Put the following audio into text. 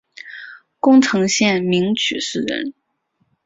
宫城县名取市人。